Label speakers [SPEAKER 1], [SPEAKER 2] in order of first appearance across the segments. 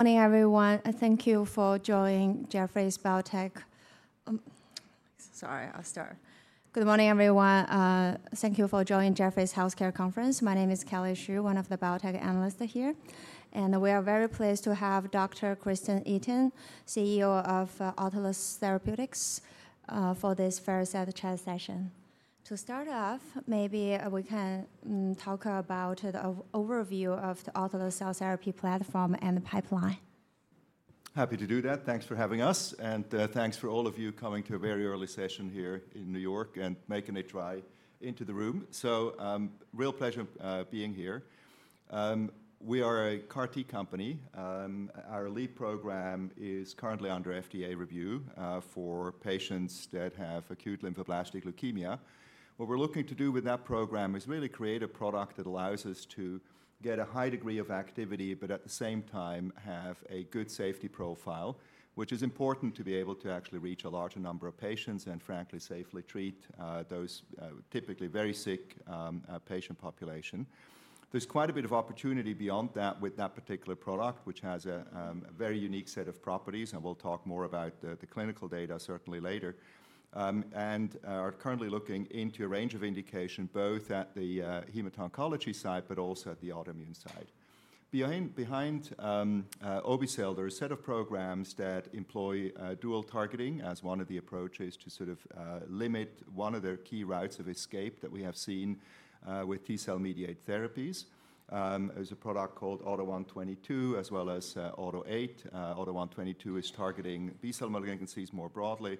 [SPEAKER 1] Good morning, everyone. Thank you for joining Jefferies Healthcare Conference. My name is Kelly Shi, one of the biotech analysts here, and we are very pleased to have Christian Itin, CEO of Autolus Therapeutics, for this fireside chat session. To start off, maybe we can talk about the overview of the Autolus cell therapy platform and the pipeline.
[SPEAKER 2] Happy to do that. Thanks for having us, and thanks for all of you coming to a very early session here in New York and making a try into the room. So, real pleasure being here. We are a CAR T company. Our lead program is currently under FDA review for patients that have acute lymphoblastic leukemia. What we're looking to do with that program is really create a product that allows us to get a high degree of activity, but at the same time, have a good safety profile, which is important to be able to actually reach a larger number of patients, and frankly, safely treat those typically very sick patient population. There's quite a bit of opportunity beyond that with that particular product, which has a very unique set of properties, and we'll talk more about the clinical data certainly later. And are currently looking into a range of indication, both at the hemato-oncology side, but also at the autoimmune side. Behind obe-cel, there are a set of programs that employ dual targeting as one of the approaches to sort of limit one of their key routes of escape that we have seen with T-cell mediated therapies. There's a product called AUTO1/22, as well as AUTO8. AUTO1/22 is targeting B-cell malignancies more broadly,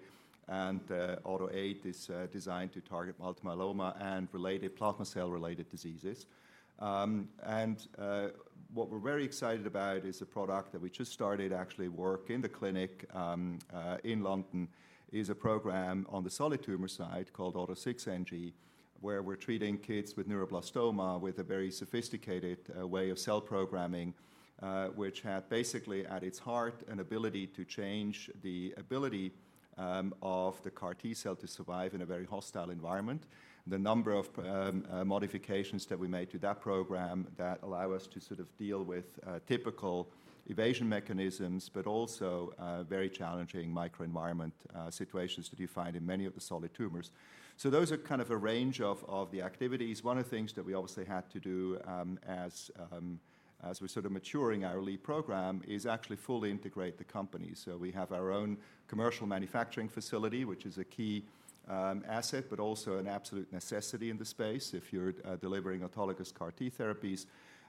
[SPEAKER 2] and AUTO8 is designed to target multiple myeloma and related plasma cell-related diseases. And, what we're very excited about is a product that we just started actually work in the clinic, in London, is a program on the solid tumor side called AUTO6NG, where we're treating kids with neuroblastoma with a very sophisticated, way of cell programming. Which had basically at its heart, an ability to change the ability, of the CAR T cell to survive in a very hostile environment. The number of, modifications that we made to that program that allow us to sort of deal with, typical evasion mechanisms, but also, very challenging microenvironment, situations that you find in many of the solid tumors. So those are kind of a range of, of the activities. One of the things that we obviously had to do, as we're sort of maturing our lead program, is actually fully integrate the company. So we have our own commercial manufacturing facility, which is a key asset, but also an absolute necessity in this space if you're delivering autologous CAR T therapies.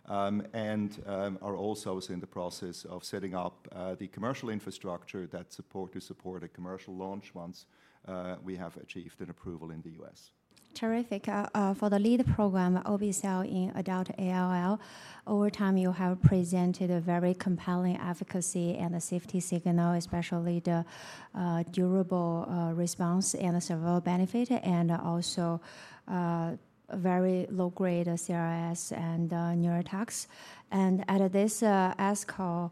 [SPEAKER 2] And are also in the process of setting up the commercial infrastructure to support a commercial launch once we have achieved an approval in the U.S.
[SPEAKER 1] Terrific. For the lead program, obe-cel, in adult ALL, over time, you have presented a very compelling efficacy and a safety signal, especially the durable response and the survival benefit, and also a very low-grade CRS and neurotox. And at this ASCO,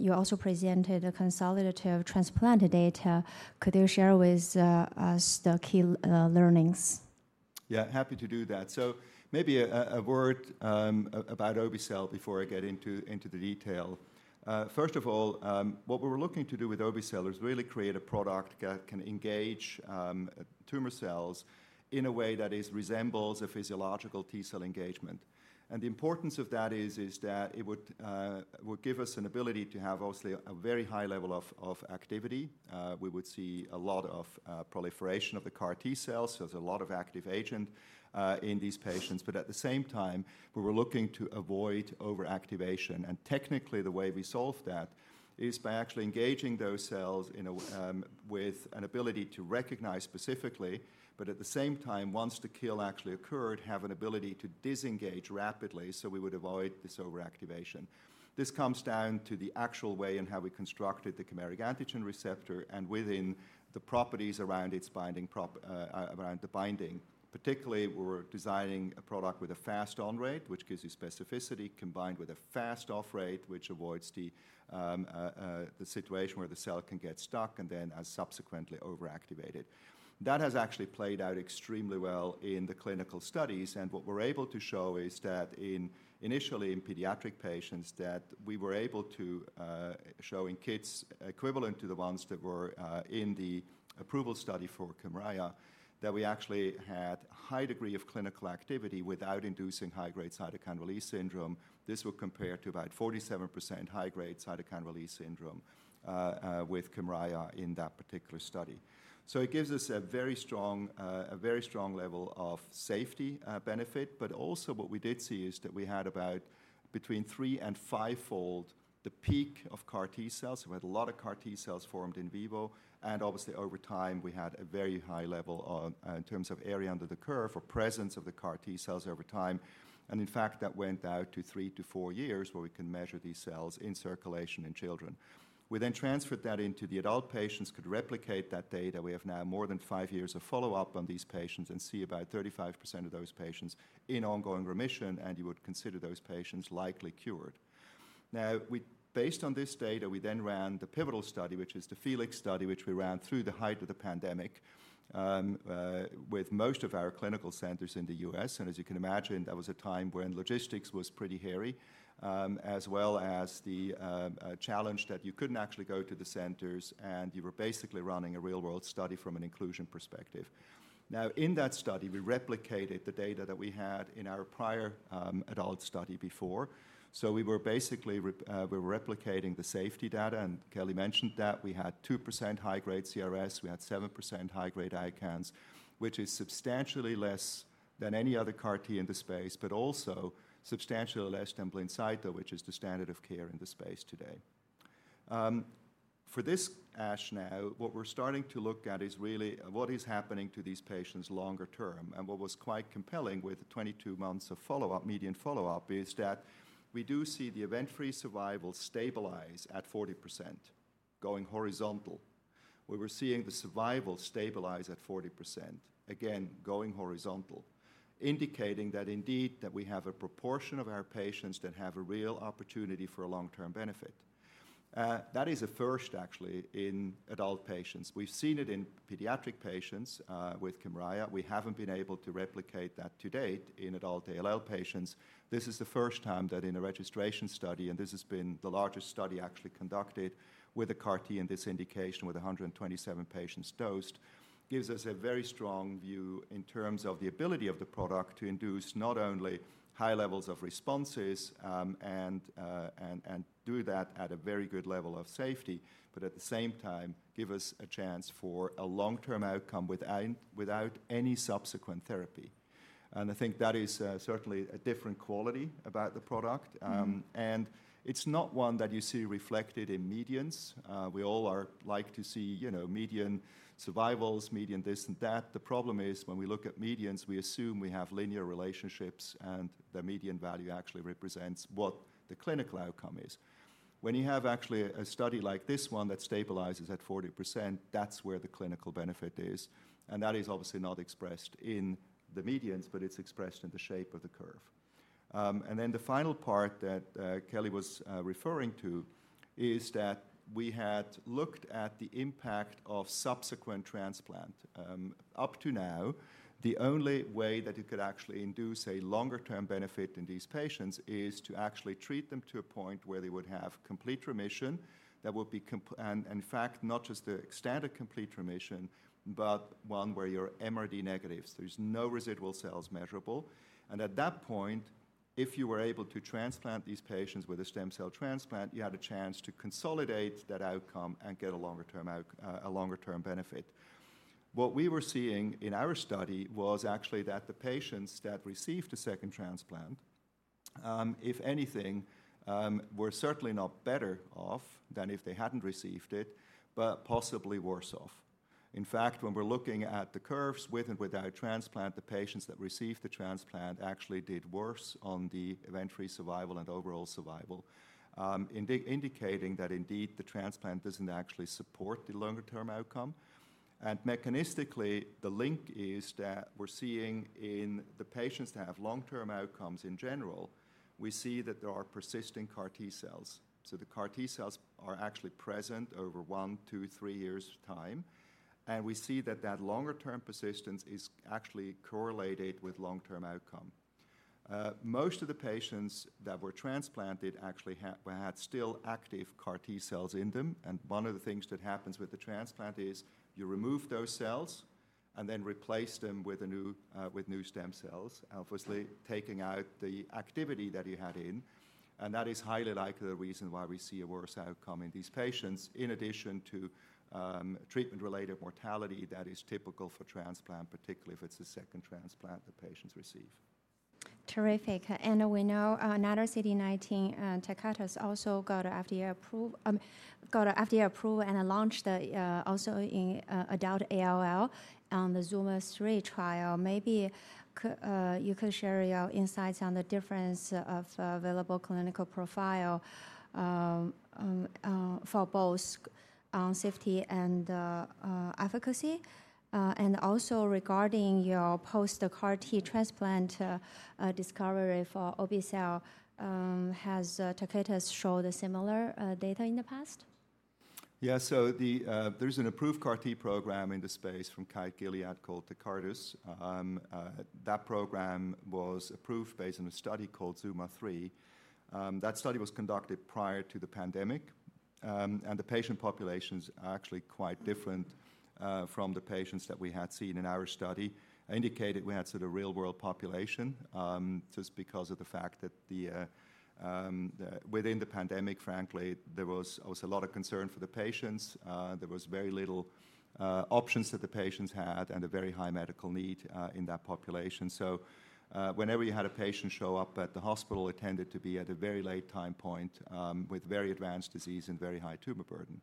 [SPEAKER 1] you also presented a consolidative transplant data. Could you share with us the key learnings?
[SPEAKER 2] Yeah, happy to do that. So maybe a word about obe-cel before I get into the detail. First of all, what we were looking to do with obe-cel is really create a product that can engage tumor cells in a way that resembles a physiological T-cell engagement. And the importance of that is that it would give us an ability to have obviously a very high level of activity. We would see a lot of proliferation of the CAR-T cells, so there's a lot of active agent in these patients. But at the same time, we were looking to avoid overactivation, and technically the way we solve that is by actually engaging those cells with an ability to recognize specifically, but at the same time, once the kill actually occurred, have an ability to disengage rapidly, so we would avoid this overactivation. This comes down to the actual way in how we constructed the chimeric antigen receptor, and within the properties around its binding, around the binding. Particularly, we're designing a product with a fast on-rate, which gives you specificity, combined with a fast off-rate, which avoids the situation where the cell can get stuck, and then subsequently overactivated. That has actually played out extremely well in the clinical studies, and what we're able to show is that initially in pediatric patients, that we were able to show in kids equivalent to the ones that were in the approval study for Kymriah, that we actually had a high degree of clinical activity without inducing high-grade cytokine release syndrome. This would compare to about 47% high-grade cytokine release syndrome with Kymriah in that particular study. So it gives us a very strong, a very strong level of safety benefit. But also what we did see is that we had about between 3- and 5-fold the peak of CAR T cells. We had a lot of CAR T cells formed in vivo, and obviously over time, we had a very high level of, in terms of area under the curve for presence of the CAR T cells over time. And in fact, that went out to 3-4 years, where we can measure these cells in circulation in children. We then transferred that into the adult patients, could replicate that data. We have now more than 5 years of follow-up on these patients and see about 35% of those patients in ongoing remission, and you would consider those patients likely cured.... Now, we, based on this data, we then ran the pivotal study, which is the FELIX study, which we ran through the height of the pandemic, with most of our clinical centers in the U.S. As you can imagine, that was a time when logistics was pretty hairy, as well as the challenge that you couldn't actually go to the centers, and you were basically running a real-world study from an inclusion perspective. Now, in that study, we replicated the data that we had in our prior adult study before. So we were basically replicating the safety data, and Kelly mentioned that. We had 2% high-grade CRS, we had 7% high-grade ICANS, which is substantially less than any other CAR T in the space, but also substantially less than Blincyto, which is the standard of care in the space today. For this ASH now, what we're starting to look at is really what is happening to these patients longer term. What was quite compelling with the 22 months of follow-up, median follow-up, is that we do see the event-free survival stabilize at 40%, going horizontal, where we're seeing the survival stabilize at 40%, again, going horizontal, indicating that indeed, that we have a proportion of our patients that have a real opportunity for a long-term benefit. That is a first actually in adult patients. We've seen it in pediatric patients, with Kymriah. We haven't been able to replicate that to date in adult ALL patients. This is the first time that in a registration study, and this has been the largest study actually conducted with a CAR T in this indication, with 127 patients dosed, gives us a very strong view in terms of the ability of the product to induce not only high levels of responses, and do that at a very good level of safety. But at the same time, give us a chance for a long-term outcome without any subsequent therapy. And I think that is certainly a different quality about the product.
[SPEAKER 1] Mm-hmm.
[SPEAKER 2] And it's not one that you see reflected in medians. We all like to see, you know, median survivals, median this and that. The problem is, when we look at medians, we assume we have linear relationships, and the median value actually represents what the clinical outcome is. When you have actually a study like this one that stabilizes at 40%, that's where the clinical benefit is, and that is obviously not expressed in the medians, but it's expressed in the shape of the curve. And then the final part that Kelly was referring to is that we had looked at the impact of subsequent transplant. Up to now, the only way that you could actually induce a longer term benefit in these patients is to actually treat them to a point where they would have complete remission. And in fact, not just the standard complete remission, but one where you're MRD negative, so there's no residual cells measurable. And at that point, if you were able to transplant these patients with a stem cell transplant, you had a chance to consolidate that outcome and get a longer term benefit. What we were seeing in our study was actually that the patients that received a second transplant, if anything, were certainly not better off than if they hadn't received it, but possibly worse off. In fact, when we're looking at the curves with and without transplant, the patients that received the transplant actually did worse on the event-free survival and overall survival, indicating that indeed, the transplant doesn't actually support the longer term outcome. And mechanistically, the link is that we're seeing in the patients that have long-term outcomes in general, we see that there are persisting CAR T cells. So the CAR T cells are actually present over one, two, three years' time, and we see that that longer term persistence is actually correlated with long-term outcome. Most of the patients that were transplanted actually had still active CAR T cells in them, and one of the things that happens with the transplant is you remove those cells and then replace them with new stem cells, obviously, taking out the activity that you had in, and that is highly likely the reason why we see a worse outcome in these patients, in addition to treatment-related mortality that is typical for transplant, particularly if it's a second transplant the patients receive.
[SPEAKER 1] Terrific. And we know another CD19. Tecartus also got FDA approval and launched also in adult ALL, the ZUMA-3 trial. Maybe you could share your insights on the difference of available clinical profile for both on safety and efficacy. And also regarding your post-CAR-T transplant discovery for obe-cel, has Takeda shown similar data in the past?
[SPEAKER 2] Yeah. So there's an approved CAR T program in this space from Kite Gilead called Tecartus. That program was approved based on a study called ZUMA-3. That study was conducted prior to the pandemic, and the patient populations are actually quite different from the patients that we had seen in our study. I indicated we had sort of real-world population just because of the fact that within the pandemic, frankly, there was a lot of concern for the patients. There was very little options that the patients had and a very high medical need in that population. So, whenever you had a patient show up at the hospital, it tended to be at a very late time point with very advanced disease and very high tumor burden.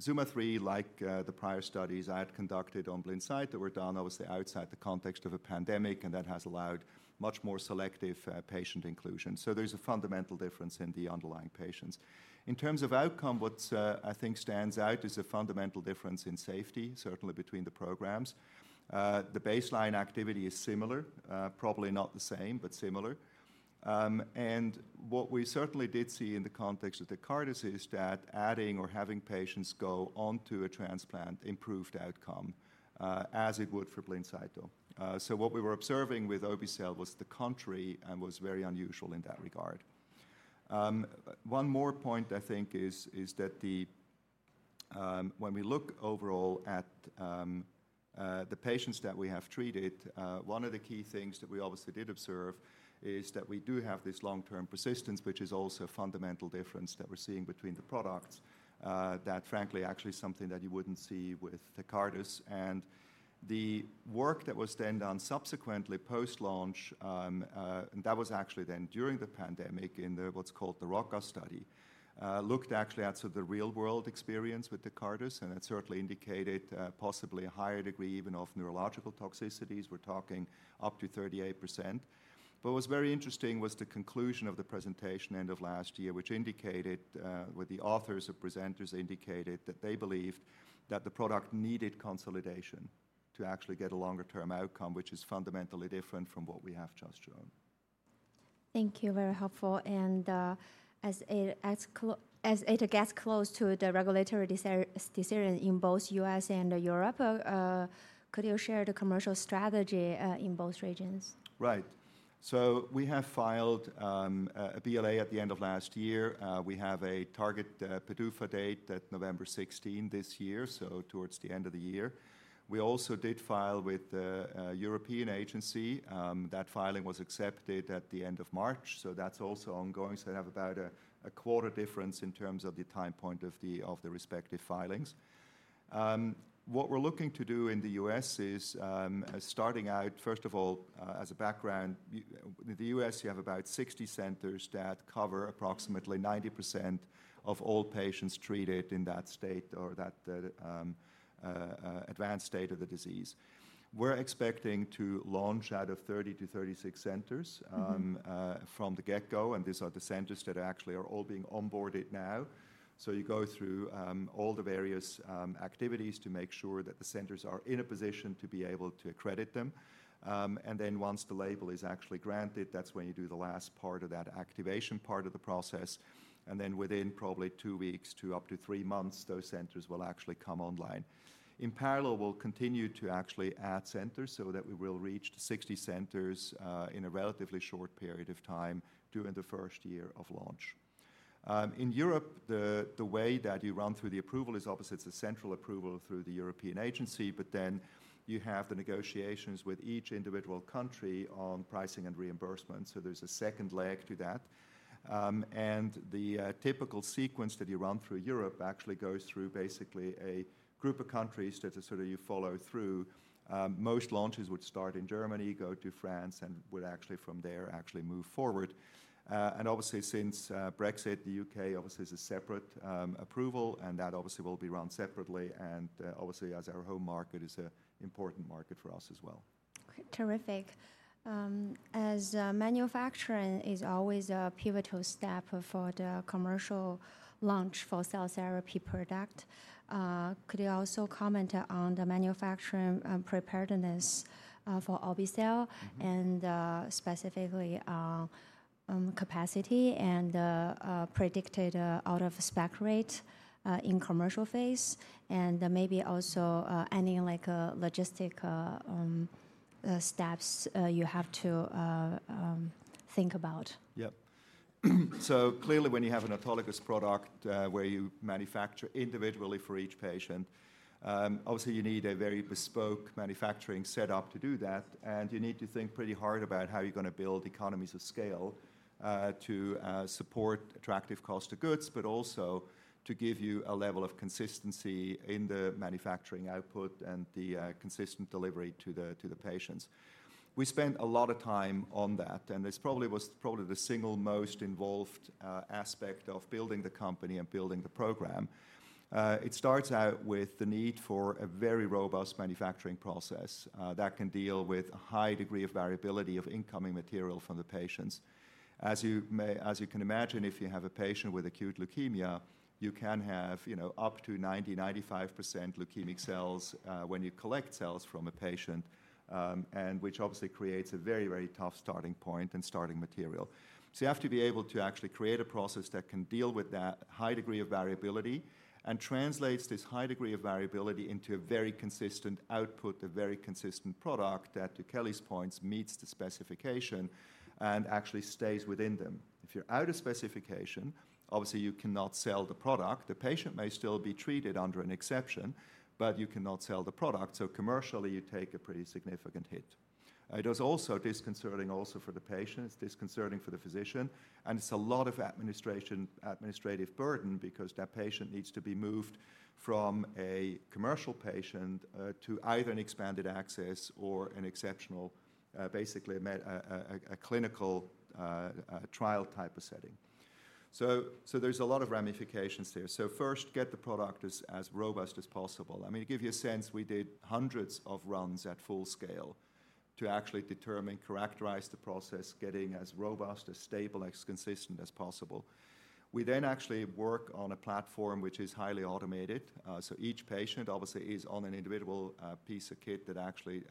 [SPEAKER 2] ZUMA-3, like, the prior studies I had conducted on Blincyto, that were done, obviously, outside the context of a pandemic, and that has allowed much more selective patient inclusion. So there's a fundamental difference in the underlying patients. In terms of outcome, what I think stands out is a fundamental difference in safety, certainly between the programs. The baseline activity is similar, probably not the same, but similar. And what we certainly did see in the context of Tecartus is that adding or having patients go onto a transplant improved outcome, as it would for Blincyto. So what we were observing with obe-cel was the contrary and was very unusual in that regard. One more point I think is that when we look overall at the patients that we have treated, one of the key things that we obviously did observe is that we do have this long-term persistence, which is also a fundamental difference that we're seeing between the products. That frankly, actually something that you wouldn't see with Tecartus and the work that was then done subsequently post-launch, and that was actually then during the pandemic in what's called the ROCCA study. Looked actually at sort of the real-world experience with Tecartus, and it certainly indicated possibly a higher degree even of neurological toxicities. We're talking up to 38%. But what was very interesting was the conclusion of the presentation end of last year, which indicated where the authors or presenters indicated that they believed that the product needed consolidation to actually get a longer term outcome, which is fundamentally different from what we have just shown.
[SPEAKER 1] Thank you. Very helpful. And, as it gets close to the regulatory decision in both U.S. and Europe, could you share the commercial strategy in both regions?
[SPEAKER 2] Right. So we have filed a BLA at the end of last year. We have a target PDUFA date at November 16 this year, so towards the end of the year. We also did file with the European Agency. That filing was accepted at the end of March, so that's also ongoing. So we have about a quarter difference in terms of the time point of the respective filings. What we're looking to do in the U.S. is starting out, first of all, as a background, in the U.S., you have about 60 centers that cover approximately 90% of all patients treated in that state or that advanced state of the disease. We're expecting to launch out of 30-36 centers-
[SPEAKER 1] Mm-hmm....
[SPEAKER 2] from the get-go, and these are the centers that actually are all being onboarded now. So you go through all the various activities to make sure that the centers are in a position to be able to accredit them. And then once the label is actually granted, that's when you do the last part of that activation part of the process, and then within probably 2 weeks to up to 3 months, those centers will actually come online. In parallel, we'll continue to actually add centers so that we will reach the 60 centers in a relatively short period of time during the first year of launch. In Europe, the way that you run through the approval is obviously it's a central approval through the European Agency, but then you have the negotiations with each individual country on pricing and reimbursement, so there's a second leg to that. And the typical sequence that you run through Europe actually goes through basically a group of countries that sort of you follow through. Most launches would start in Germany, go to France, and would actually from there actually move forward. And obviously, since Brexit, the UK obviously is a separate approval, and that obviously will be run separately, and obviously as our home market, it's a important market for us as well.
[SPEAKER 1] Terrific. As manufacturing is always a pivotal step for the commercial launch for cell therapy product, could you also comment on the manufacturing preparedness for obe-cel-
[SPEAKER 2] Mm-hmm...
[SPEAKER 1] and specifically, capacity and predicted out of spec rate in commercial phase, and maybe also any like logistic steps you have to think about?
[SPEAKER 2] Yep. So clearly, when you have an autologous product, where you manufacture individually for each patient, obviously you need a very bespoke manufacturing setup to do that, and you need to think pretty hard about how you're gonna build economies of scale, to support attractive cost of goods, but also to give you a level of consistency in the manufacturing output and the consistent delivery to the patients. We spent a lot of time on that, and this probably was the single most involved aspect of building the company and building the program. It starts out with the need for a very robust manufacturing process, that can deal with a high degree of variability of incoming material from the patients. As you can imagine, if you have a patient with acute leukemia, you can have, you know, up to 90, 95% leukemic cells, when you collect cells from a patient, and which obviously creates a very, very tough starting point and starting material. So you have to be able to actually create a process that can deal with that high degree of variability and translates this high degree of variability into a very consistent output, a very consistent product that, to Kelly's points, meets the specification and actually stays within them. If you're out of specification, obviously you cannot sell the product. The patient may still be treated under an exception, but you cannot sell the product, so commercially, you take a pretty significant hit. It is also disconcerting for the patient, it's disconcerting for the physician, and it's a lot of administration, administrative burden because that patient needs to be moved from a commercial patient to either an expanded access or an exceptional, basically a med, a clinical, trial type of setting. So there's a lot of ramifications there. So first, get the product as robust as possible. I mean, to give you a sense, we did hundreds of runs at full scale to actually determine, characterize the process, getting as robust, as stable, as consistent as possible.... We then actually work on a platform which is highly automated. So each patient obviously is on an individual piece of kit that actually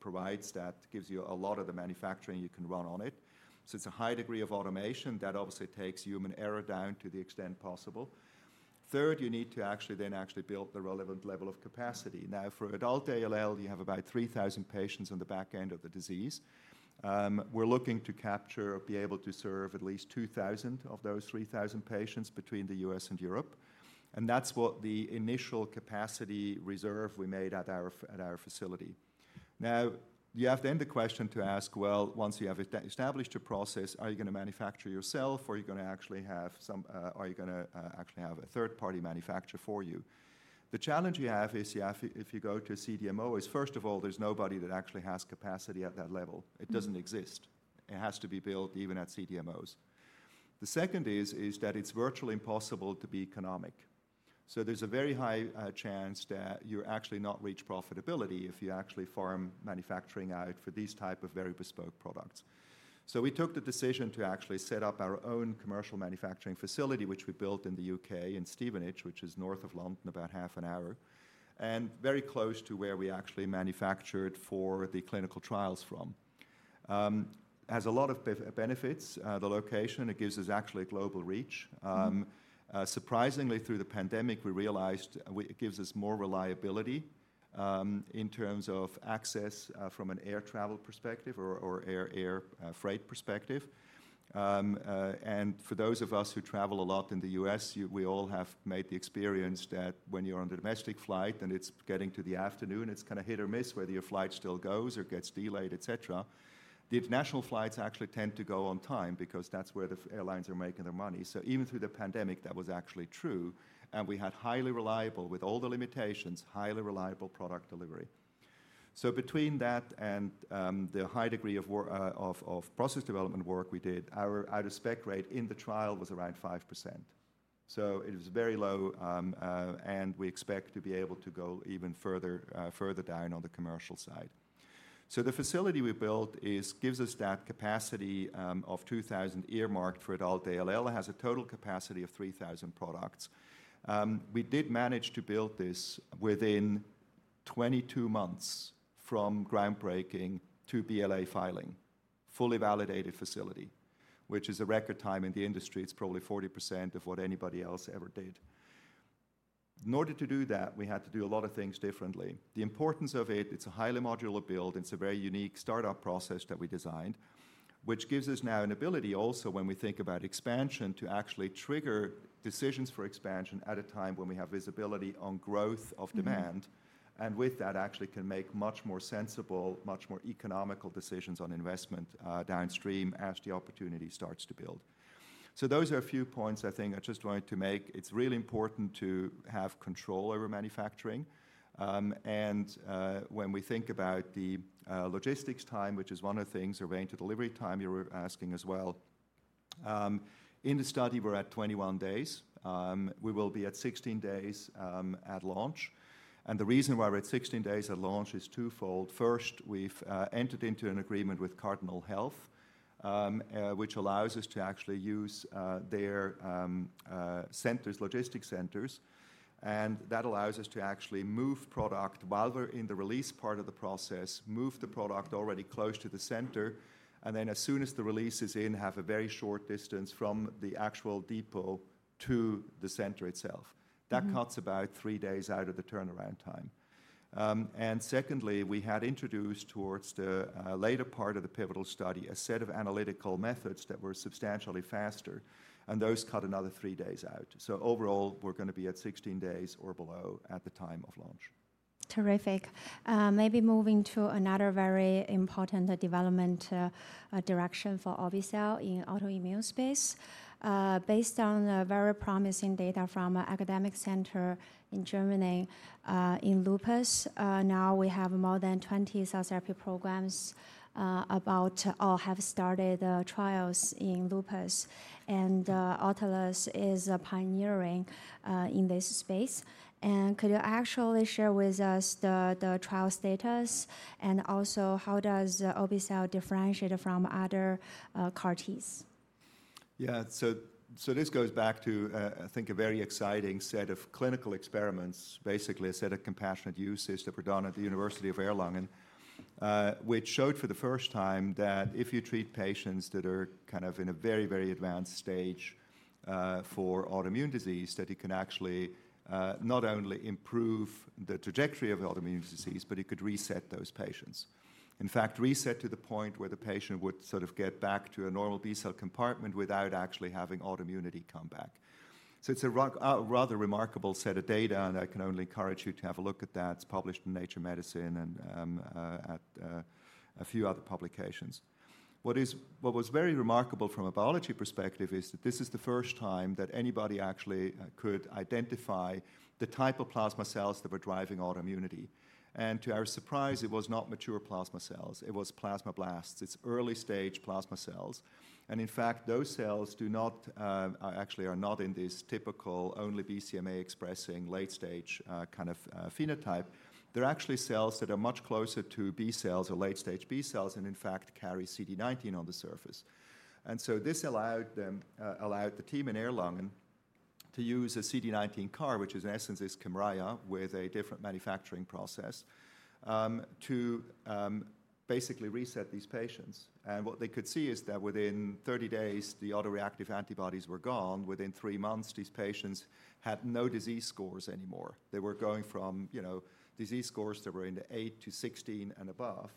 [SPEAKER 2] provides that, gives you a lot of the manufacturing you can run on it. So it's a high degree of automation that obviously takes human error down to the extent possible. Third, you need to actually then actually build the relevant level of capacity. Now, for adult ALL, you have about 3,000 patients on the back end of the disease. We're looking to capture or be able to serve at least 2,000 of those 3,000 patients between the U.S. and Europe, and that's what the initial capacity reserve we made at our, at our facility. Now, you have then the question to ask, well, once you have established a process, are you gonna manufacture yourself, or are you gonna actually have a third party manufacture for you? The challenge you have is you have, if you go to a CDMO, is first of all, there's nobody that actually has capacity at that level. It doesn't exist. It has to be built even at CDMOs. The second is that it's virtually impossible to be economic. So there's a very high chance that you'll actually not reach profitability if you actually farm manufacturing out for these type of very bespoke products. So we took the decision to actually set up our own commercial manufacturing facility, which we built in the U.K., in Stevenage, which is north of London, about half an hour, and very close to where we actually manufactured for the clinical trials from. Has a lot of benefits. The location, it gives us actually a global reach. Surprisingly, through the pandemic, we realized it gives us more reliability in terms of access from an air travel perspective or air freight perspective. And for those of us who travel a lot in the U.S., we all have made the experience that when you're on a domestic flight, and it's getting to the afternoon, it's kind of hit or miss whether your flight still goes or gets delayed, et cetera. The international flights actually tend to go on time because that's where the airlines are making their money. So even through the pandemic, that was actually true, and we had highly reliable, with all the limitations, highly reliable product delivery. So between that and the high degree of work of process development work we did, our out-of-spec rate in the trial was around 5%. So it was very low, and we expect to be able to go even further, further down on the commercial side. So the facility we built gives us that capacity of 2,000 earmarked for adult ALL. It has a total capacity of 3,000 products. We did manage to build this within 22 months, from groundbreaking to BLA filing. Fully validated facility, which is a record time in the industry. It's probably 40% of what anybody else ever did. In order to do that, we had to do a lot of things differently. The importance of it, it's a highly modular build, it's a very unique startup process that we designed, which gives us now an ability also when we think about expansion, to actually trigger decisions for expansion at a time when we have visibility on growth of demand.
[SPEAKER 1] Mm-hmm.
[SPEAKER 2] And with that, actually can make much more sensible, much more economical decisions on investment, downstream as the opportunity starts to build. So those are a few points I think I just wanted to make. It's really important to have control over manufacturing. And when we think about the logistics time, which is one of the things, relating to delivery time, you were asking as well, in the study, we're at 21 days. We will be at 16 days at launch, and the reason why we're at 16 days at launch is twofold. First, we've entered into an agreement with Cardinal Health, which allows us to actually use their logistic centers, and that allows us to actually move product while we're in the release part of the process, move the product already close to the center, and then as soon as the release is in, have a very short distance from the actual depot to the center itself.
[SPEAKER 1] Mm-hmm.
[SPEAKER 2] That cuts about three days out of the turnaround time. And secondly, we had introduced towards the later part of the pivotal study, a set of analytical methods that were substantially faster, and those cut another three days out. So overall, we're gonna be at 16 days or below at the time of launch.
[SPEAKER 1] Terrific. Maybe moving to another very important development, direction for Autolus in autoimmune space. Based on very promising data from academic center in Germany, in lupus, now we have more than 20 cell therapy programs or have started trials in lupus, and Autolus is pioneering in this space. And could you actually share with us the trial status, and also how does Autolus differentiate from other CAR-Ts?
[SPEAKER 2] Yeah. So this goes back to, I think a very exciting set of clinical experiments, basically a set of compassionate uses that were done at the University of Erlangen, which showed for the first time that if you treat patients that are kind of in a very, very advanced stage for autoimmune disease, that it can actually not only improve the trajectory of the autoimmune disease, but it could reset those patients. In fact, reset to the point where the patient would sort of get back to a normal B-cell compartment without actually having autoimmunity come back. So it's a rather remarkable set of data, and I can only encourage you to have a look at that. It's published in Nature Medicine and at a few other publications. What was very remarkable from a biology perspective is that this is the first time that anybody actually could identify the type of plasma cells that were driving autoimmunity, and to our surprise, it was not mature plasma cells. It was plasmablasts. It's early-stage plasma cells, and in fact, those cells do not actually are not in this typical only BCMA-expressing late stage kind of phenotype. They're actually cells that are much closer to B cells or late stage B cells, and in fact, carry CD19 on the surface. And so this allowed them allowed the team in Erlangen to use a CD19 CAR, which is in essence is Kymriah with a different manufacturing process to basically reset these patients. And what they could see is that within 30 days, the autoreactive antibodies were gone. Within 3 months, these patients had no disease scores anymore. They were going from, you know, disease scores that were in the 8-16 and above,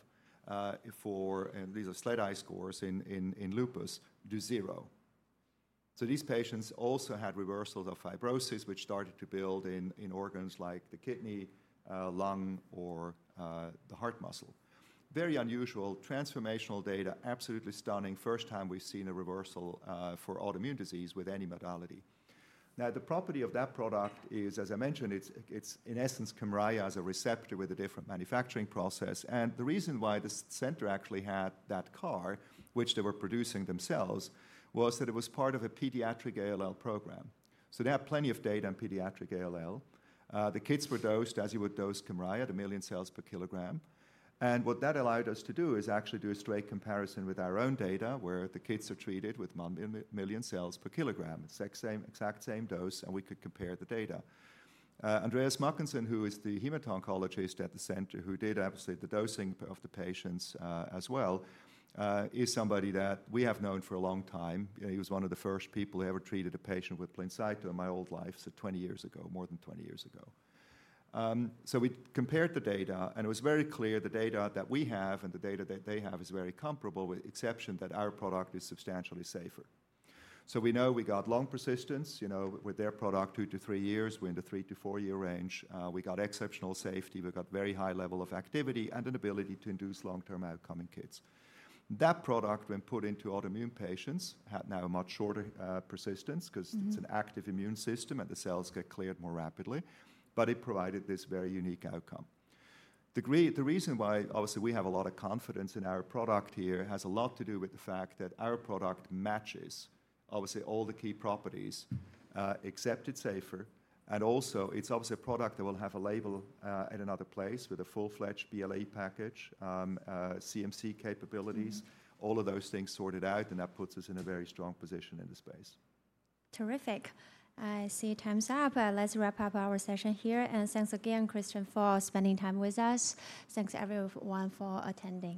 [SPEAKER 2] for, and these are SLEDAI scores in lupus, to 0. So these patients also had reversals of fibrosis, which started to build in organs like the kidney, lung, or the heart muscle. Very unusual, transformational data, absolutely stunning. First time we've seen a reversal for autoimmune disease with any modality. Now, the property of that product is, as I mentioned, it's, it's in essence Kymriah as a receptor with a different manufacturing process. The reason why this center actually had that CAR, which they were producing themselves, was that it was part of a pediatric ALL program. So they have plenty of data on pediatric ALL. The kids were dosed as you would dose Kymriah, at 1 million cells per kilogram. What that allowed us to do is actually do a straight comparison with our own data, where the kids are treated with 1 million cells per kilogram. It's same, exact same dose, and we could compare the data. Andreas Mackensen, who is the hemato-oncologist at the center, who did obviously the dosing of the patients, as well, is somebody that we have known for a long time. He was one of the first people who ever treated a patient with Blincyto in my old life, so 20 years ago, more than 20 years ago. So we compared the data, and it was very clear the data that we have and the data that they have is very comparable, with the exception that our product is substantially safer. So we know we got long persistence, you know, with their product, 2-3 years. We're in the 3-4-year range. We got exceptional safety. We got very high level of activity and an ability to induce long-term outcome in kids. That product, when put into autoimmune patients, had now a much shorter persistence-
[SPEAKER 1] Mm-hmm.
[SPEAKER 2] Because it's an active immune system, and the cells get cleared more rapidly, but it provided this very unique outcome. The reason why obviously we have a lot of confidence in our product here has a lot to do with the fact that our product matches, obviously, all the key properties, except it's safer. And also, it's obviously a product that will have a label, in another place with a full-fledged BLA package, CMC capabilities.
[SPEAKER 1] Mm-hmm.
[SPEAKER 2] All of those things sorted out, and that puts us in a very strong position in the space.
[SPEAKER 1] Terrific. I see time's up. Let's wrap up our session here, and thanks again, Christian, for spending time with us. Thanks, everyone, for attending.